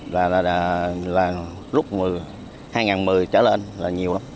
và là lúc hai nghìn một mươi trở lên là nhiều lắm